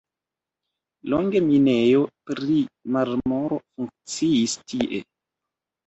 Longe minejo pri marmoro funkciis tie.